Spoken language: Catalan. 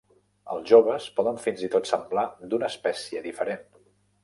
Els joves poden fins i tot semblar d'una espècie diferent.